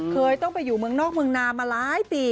เคยต้องไปอยู่เมืองนอกเมืองนามาหลายปี